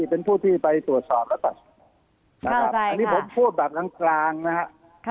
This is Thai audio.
เป็นผู้ที่ไปตรวจสอบแล้วตัดนะครับอันนี้ผมพูดแบบกลางนะครับ